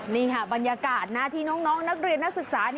นี่ค่ะบรรยากาศที่น้องนักเรียนนักศึกษา